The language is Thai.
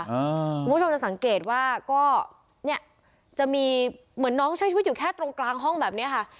คุณผู้ชมจะสังเกตว่าก็เนี่ยจะมีเหมือนน้องใช้ชีวิตอยู่แค่ตรงกลางห้องแบบนี้ค่ะ